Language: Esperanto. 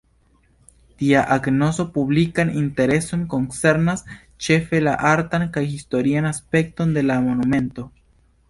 Tia agnosko publikan intereson koncernas ĉefe la artan kaj historian aspekton de la monumento.